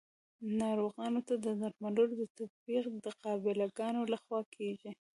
ناروغانو ته د درملو تطبیق د قابله ګانو لخوا کیږي.